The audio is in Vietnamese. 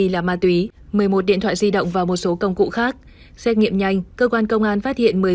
hai là ma túy một mươi một điện thoại di động và một số công cụ khác xét nghiệm nhanh cơ quan công an phát hiện